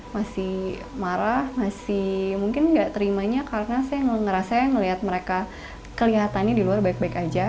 masih marah masih mungkin nggak terimanya karena saya ngerasa ngeliat mereka kelihatannya di luar baik baik aja